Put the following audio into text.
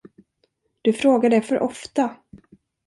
Du frågar det för ofta.